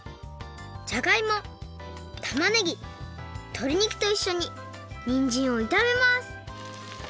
じゃがいもたまねぎとりにくといっしょににんじんをいためます